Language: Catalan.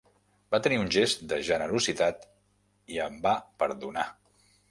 Va tenir un gest de generositat i em va perdonar.